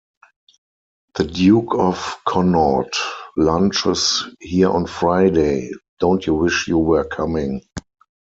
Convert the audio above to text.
The Duke of Connaught lunches here on Friday: don't you wish you were coming!